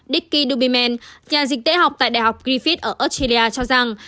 dickie dubiman nhà dịch tễ học tại đại học griffith ở australia cho rằng